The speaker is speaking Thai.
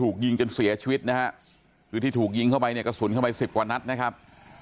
คือที่ถูกยิงเข้าไปเนี่ยกระสุนเข้าไป๑๐กว่านัดนะครับ